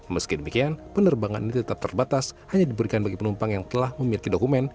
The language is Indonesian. meski demikian penerbangan ini tetap terbatas hanya diberikan bagi penumpang yang telah memiliki dokumen